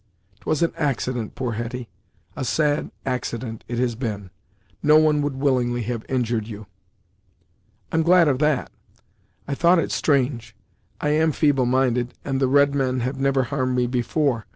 "'Twas an accident, poor Hetty; a sad accident it has been! No one would willingly have injured you." "I'm glad of that! I thought it strange; I am feeble minded, and the redmen have never harmed me before.